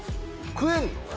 食えんの？